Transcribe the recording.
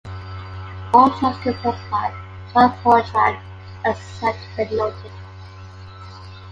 All tracks composed by John Coltrane except where noted.